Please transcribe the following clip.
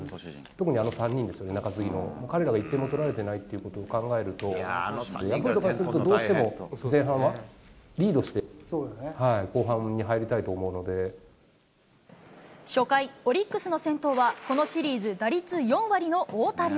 特にあの３人ですよね、中継ぎの、彼らが１点も取られていないってことを考えると、ヤクルトからすると、どうしても前半はリードして、後半に入りた初回、オリックスの先頭は、このシリーズ打率４割の太田椋。